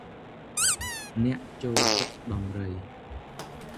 អ្នកចូលចិត្តដំរី ។